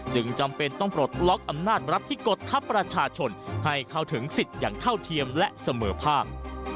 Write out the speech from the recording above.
จำเป็นต้องปลดล็อกอำนาจรัฐที่กดทัพประชาชนให้เข้าถึงสิทธิ์อย่างเท่าเทียมและเสมอภาพ